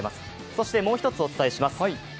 そしてもう一つお伝えします。